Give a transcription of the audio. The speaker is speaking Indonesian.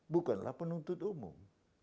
bukanlah penuntut umum